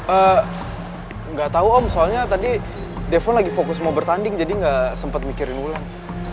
eh gak tau om soalnya tadi devo lagi fokus mau bertanding jadi gak sempet mikirin ulang